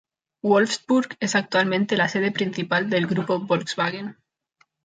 Wolfsburg es actualmente la sede principal del Grupo Volkswagen.